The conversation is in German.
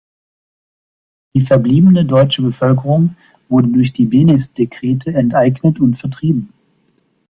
Die verbliebene deutsche Bevölkerung wurde durch die Beneš-Dekrete enteignet und vertrieben.